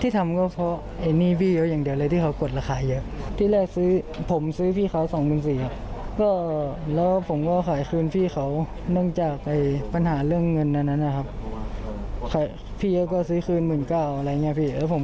ตอนนี้อย่างที่เรียกผมอยู่ผมกล่าวว่าอยากให้แกล้งแกล้ม